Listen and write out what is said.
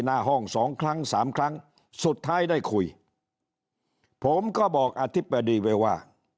หน้าห้องสองครั้งสามครั้งสุดท้ายได้คุยผมก็บอกอธิบดีไว้ว่า